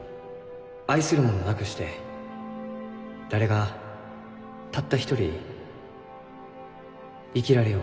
「愛する者なくして誰がたった一人生きられようか？」。